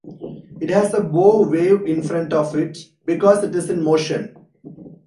It has a bow wave in front of it because it is in motion.